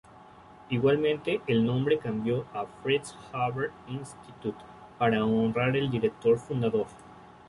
Igualmente, el nombre cambió a "Fritz-Haber-Institut" para honrar el director fundador.